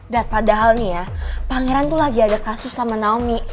that padahal nih ya pangeran tuh lagi ada kasus sama naomi